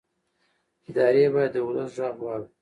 ادارې باید د ولس غږ واوري